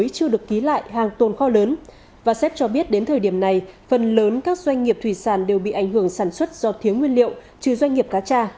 các doanh nghiệp thủy sản đều bị ảnh hưởng sản xuất do thiếu nguyên liệu chứ doanh nghiệp cá trà